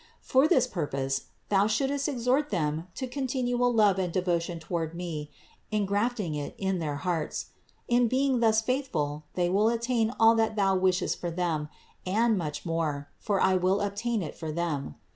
For this purpose thou shouldst exhort them to con tinual love and devotion toward me, engrafting it in their hearts ; in being thus faithful they will attain all that thou wishest for them, and much more, for I will obtain it for them.